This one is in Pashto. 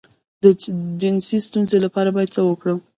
د جنسي ستونزې لپاره باید څه وکړم؟